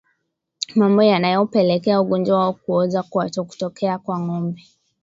Mambo yanayopelekea ugonjwa wa kuoza kwato kutokea kwa ngombe